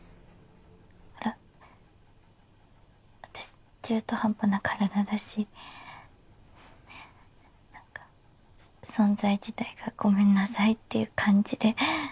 ほら私中途半端な体だしなんか存在自体がごめんなさいっていう感じで。